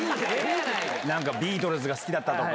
なんかビートルズが好きだったとか。